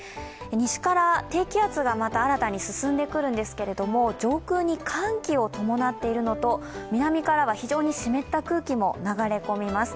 西から低気圧がまた新たに進んでくるんですけれども、上空に寒気を伴っているのと南からは非常に湿った空気も流れ込みます。